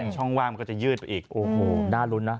ช่องว่างมันก็จะยืดไปอีกโอ้โหน่ารุ้นนะ